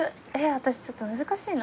私ちょっと難しいな。